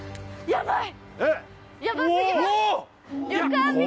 やばい